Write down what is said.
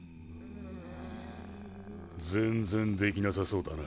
全然できなさそうだな。